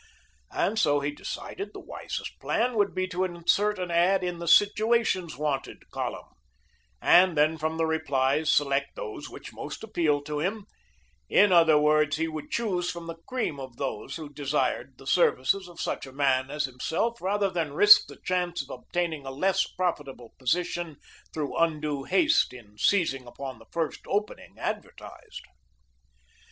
And so he decided the wisest plan would be to insert an ad in the "Situations Wanted" column, and then from the replies select those which most appealed to him; in other words, he would choose from the cream of those who desired the services of such a man as himself rather than risk the chance of obtaining a less profitable position through undue haste in seizing upon the first opening advertised.